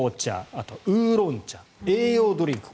あとウーロン茶、栄養ドリンク